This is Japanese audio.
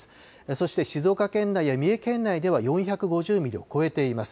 そして静岡県内や三重県内では４５０ミリを超えています。